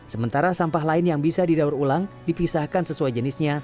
sementara sampah lain yang bisa didaur ulang dipisahkan sesuai jenisnya